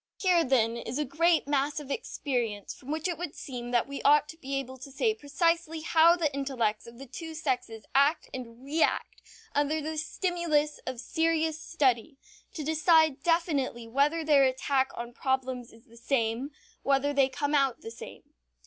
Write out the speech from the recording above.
Here, then, is a great mass of experience from which it would seem that we ought to be able to say precisely how the intellects of the two sexes act and react under the stimulus of serious study, to decide definitely whether their attack on problems is the same, whether they come out the same.